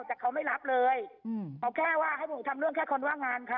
แต่เขาไม่รับเลยเขาแค่ว่าให้ผมทำเรื่องแค่คนว่างงานเขา